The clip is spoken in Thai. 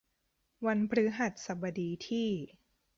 วันพฤหัสบดีที่